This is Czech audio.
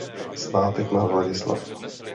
Svátek má Vladislav.